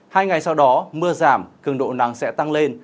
hai ngày sau đó mưa giảm cường độ nắng sẽ tăng lên